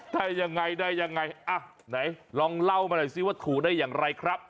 ได้ยังไงได้ยังไงอ่ะไหนลองเล่ามาหน่อยสิว่าถูกได้อย่างไรครับ